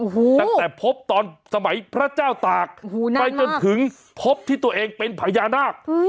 ตั้งแต่พบตอนสมัยพระเจ้าตากไปจนถึงพบที่ตัวเองเป็นพญานาค